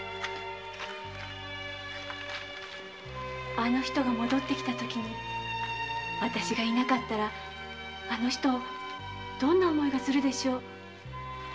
あの人が戻ってきたときに私が居なかったらあの人どんな思いがするでしょう？